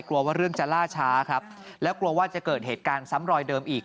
กลัวว่าเรื่องจะล่าช้าครับแล้วกลัวว่าจะเกิดเหตุการณ์ซ้ำรอยเดิมอีก